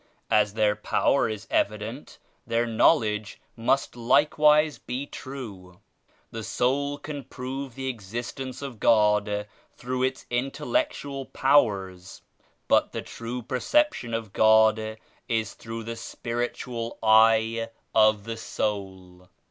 As their Power is evident their Knowledge must likewise be true. The soul can prove the Existence of God through its 21 intellectual powers, but the true perception of God is through the spiritual eye of the soul.